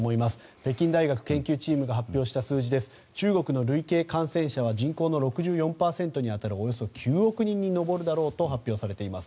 北京大学研究チームが発表した数字では、中国の累計感染者は人口の６４％に当たるおよそ９億人に上るだろうと発表されています。